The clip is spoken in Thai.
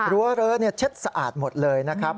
เรื้อเช็ดสะอาดหมดเลยนะครับ